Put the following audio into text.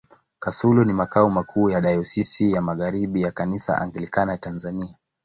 Kasulu ni makao makuu ya Dayosisi ya Magharibi ya Kanisa Anglikana Tanzania.